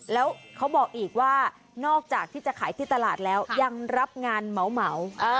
แล้วเขาบอกอีกว่านอกจากที่จะขายที่ตลาดแล้วยังรับงานเหมา